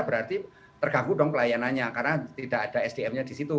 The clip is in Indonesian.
berarti terganggu dong pelayanannya karena tidak ada sdm nya di situ